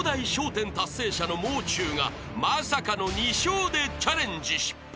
１０達成者のもう中がまさかの２笑でチャレンジ失敗］